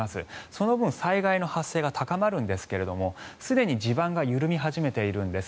その分、災害の発生が高まるんですがすでに地盤が緩み始めているんです。